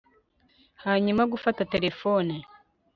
hanyuma, gufata terefone